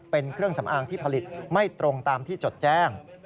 เป็นเครื่องสำอางที่ผลิตไม่ตรงตามที่จดแจ้ง